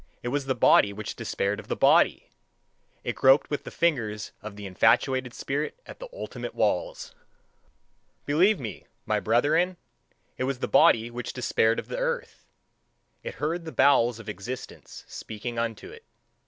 It was the body which despaired of the body it groped with the fingers of the infatuated spirit at the ultimate walls. Believe me, my brethren! It was the body which despaired of the earth it heard the bowels of existence speaking unto it.